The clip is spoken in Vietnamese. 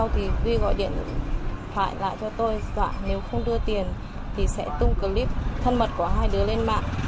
tôi dọa nếu không đưa tiền thì sẽ tung clip thân mật của hai đứa lên mạng